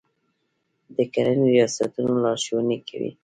د کرنې ریاستونه لارښوونې کوي.